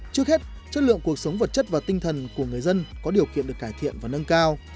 trước hết chất lượng cuộc sống vật chất và tinh thần của người dân có điều kiện được cải thiện và nâng cao